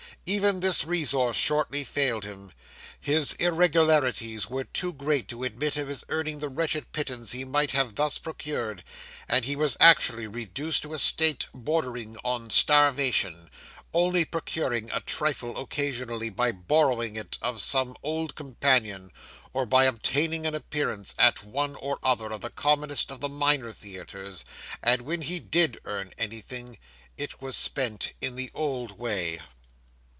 Even this resource shortly failed him; his irregularities were too great to admit of his earning the wretched pittance he might thus have procured, and he was actually reduced to a state bordering on starvation, only procuring a trifle occasionally by borrowing it of some old companion, or by obtaining an appearance at one or other of the commonest of the minor theatres; and when he did earn anything it was spent in the old way.